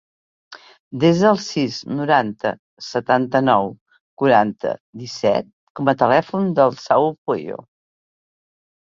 Desa el sis, noranta, setanta-nou, quaranta, disset com a telèfon del Saül Pueyo.